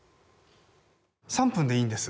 ３分でいいんです。